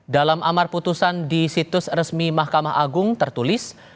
dalam amar putusan di situs resmi mahkamah agung tertulis